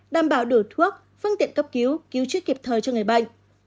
đảm bảo đủ thuốc phương tiện cấp cứu cứu chữa kịp thời cho người bệnh